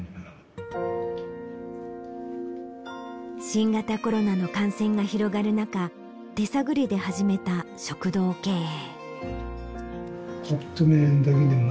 新型コロナの感染が広がるなか手探りで始めた食堂経営。